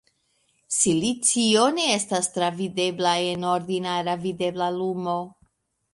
Silicio ne estas travidebla en ordinara videbla lumo.